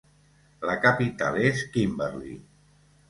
La capital és Kimberley.